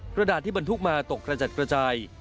กระดาษที่บรรทุกมาตกกระจัดกระจาย